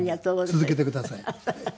続けてください。